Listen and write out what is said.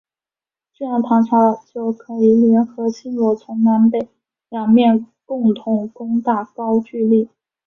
这样唐朝就可以联合新罗从南北两面共同攻打高句丽。